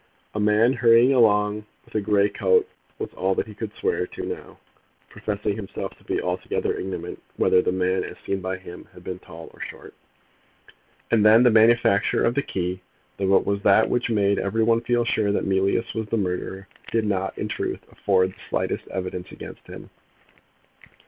A man hurrying along with a grey coat was all that he could swear to now, professing himself to be altogether ignorant whether the man, as seen by him, had been tall or short. And then the manufacture of the key, though it was that which made every one feel sure that Mealyus was the murderer, did not, in truth, afford the slightest evidence against him.